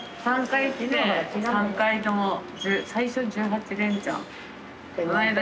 ３回来て３回とも最初１８連チャン。